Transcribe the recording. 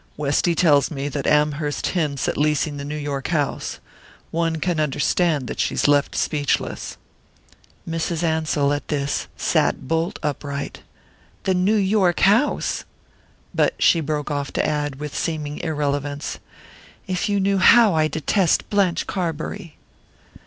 Westy tells me that Amherst hints at leasing the New York house. One can understand that she's left speechless." Mrs. Ansell, at this, sat bolt upright. "The New York house?" But she broke off to add, with seeming irrelevance: "If you knew how I detest Blanche Carbury!"